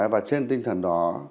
và trên tinh thần đó